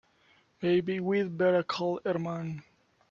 Maybe we'd better call Herman.